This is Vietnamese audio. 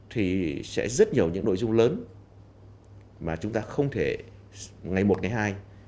thì sẽ rất nhiều những nội dung lớn mà chúng ta không thể ngày một ngày hai